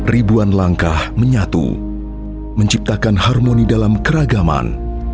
ribuan langkah menyatu menciptakan harmoni dalam keragaman